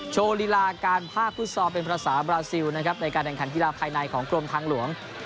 โชว์ลีลาการภาคฟุตซอลเป็นภาษาบราซิลนะครับในการแข่งขันกีฬาภายในของกรมทางหลวง